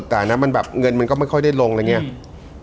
แต่อันนั้นมันแบบเงินมันก็ไม่ค่อยได้ลงอะไรอย่างนี้